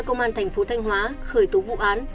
công an tp thanh hóa khởi tố vụ án